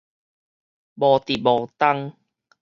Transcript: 無滴無噹